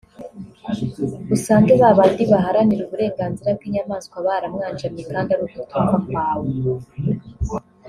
usange ba bandi baharanira uburenganzira bw’inyamaswa baramwanjamye kandi ari ukutumva kwawe